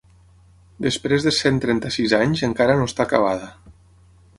Després de cent trenta-sis anys encara no està acabada.